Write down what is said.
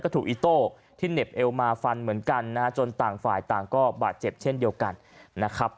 ถูกอิโต้ที่เหน็บเอวมาฟันเหมือนกันนะฮะจนต่างฝ่ายต่างก็บาดเจ็บเช่นเดียวกันนะครับ